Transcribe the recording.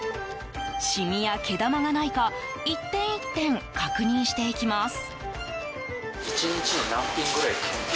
染みや毛玉がないか１点１点確認していきます。